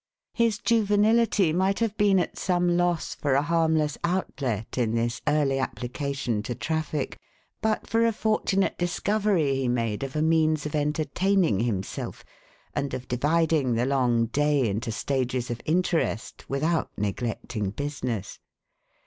His juvenility might have been at some loss for a harmless outlet, in this early application to traffic, but for a fortunate discovery he made of a means of enter taining himself, and of dividing the long day into stages of interest, without neglecting business.